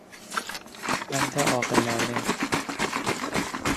پند عاقلانه